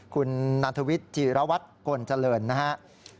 คุณนันทวิทย์จีรวัตรกลเจริญนะครับ